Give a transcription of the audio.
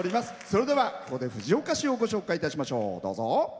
それでは、ここで藤岡市をご紹介いたしましょう。